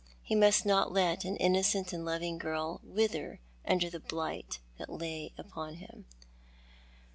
He must not let an innocent and loving girl wither under the blight that lay upon him.